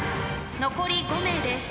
残り５名です。